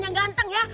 yang ganteng ya